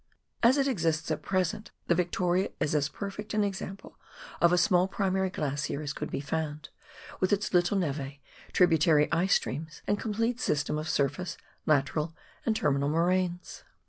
As it exists at present, the Victoria is as perfect an example of a small primary glacier as could be found, with its little neve, tributary ice streams, and complete system of surface, lateral and terminal moraines.